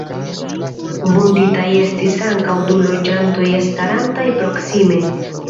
Vunditaj estis ankaŭ du loĝantoj starantaj proksime.